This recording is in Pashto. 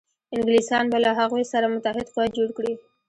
انګلیسیان به له هغوی سره متحد قوت جوړ کړي.